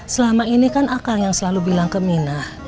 selama ini kan akal yang selalu bilang ke mina